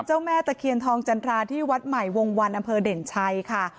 แม่ตะเคียนทองจันทราที่วัดใหม่วงวันอำเภอเด่นชัยค่ะ